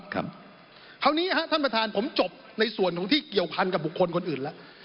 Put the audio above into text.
คราวนี้ครับท่านประธานผมจบในส่วนของที่เกี่ยวพันกับบุคคลคนอื่นแล้ว